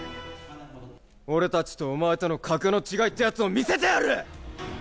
俺たちとお前との格の違いってやつを見せてやる！